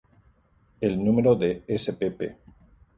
El número de spp.